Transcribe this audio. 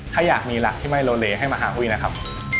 ถ้าอยากมีหลักที่ไม่โลเลให้มาหาหุ้ยนะครับ